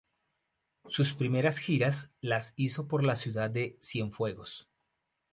Sus primeras giras las hizo por la Ciudad De Cienfuegos.